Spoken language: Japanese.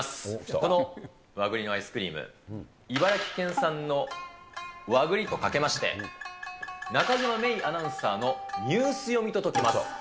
この和栗のアイスクリーム、茨城県産の和栗とかけまして、中島芽生アナウンサーのニュース読みとときます。